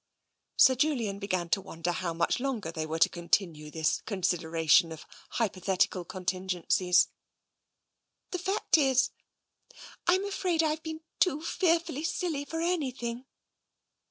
Sir Julian began to wonder how much longer they were to continue this consideration of hypothetical con tingencies. " The fact is, I'm afraid I've been too fearfully silly for anything."